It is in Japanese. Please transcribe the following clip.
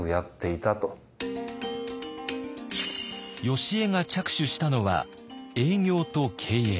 よしえが着手したのは営業と経営。